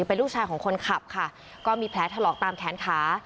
เป็นลูกชายของคนขับค่ะก็มีแผลถลอกตามแขนขา